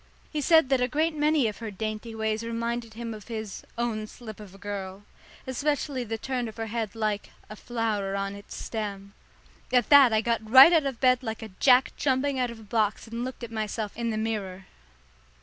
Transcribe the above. He said that a great many of her dainty ways reminded him of his "own slip of a girl," especially the turn of her head like a "flower on its stem." At that I got right out of bed like a jack jumping out of a box and looked at myself in the mirror.